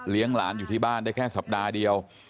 หลานอยู่ที่บ้านได้แค่สัปดาห์เดียว